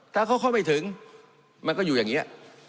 ถ้าเขาเข้าไปถึงมันก็อยู่อย่างนี้